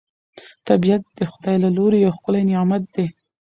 طبیعت د خدای له لوري یو ښکلی نعمت دی